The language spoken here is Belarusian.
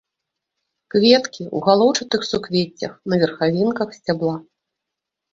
Кветкі ў галоўчатых суквеццях на верхавінках сцябла.